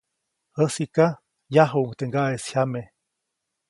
Jäsiʼka, yajuʼuŋ teʼ ŋgaʼeʼis jyame.